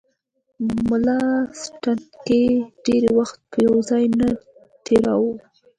ملا سنډکي ډېر وخت په یو ځای نه تېراوه.